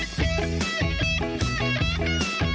จริงค่ะ